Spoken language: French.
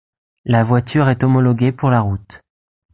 La voiture est homologuée pour la route.